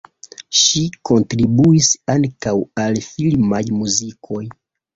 Ŝi kontribuis ankaŭ al filmaj muzikoj.